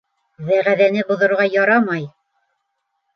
Вәғәҙәне боҙорға ярамай.